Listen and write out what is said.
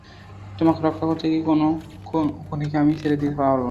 তোমাকে রক্ষা করতে গিয়ে কোনও খুনিকে আমি ছেড়ে দিতে পারব না।